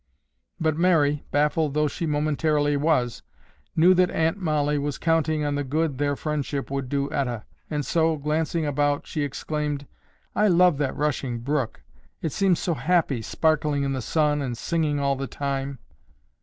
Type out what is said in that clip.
But Mary, baffled though she momentarily was, knew that Aunt Mollie was counting on the good their friendship would do Etta, and so, glancing about, she exclaimed, "I love that rushing brook! It seems so happy, sparkling in the sun and singing all the time."